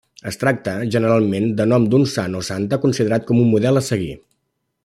Es tracta, generalment, de nom d'un sant o santa considerat com un model a seguir.